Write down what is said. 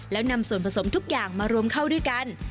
แล้วนำส่วนผสมทุกอย่างมารวมเข้าด้วยกัน